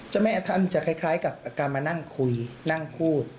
แม่ท่านจะคล้ายกับการมานั่งคุยนั่งพูด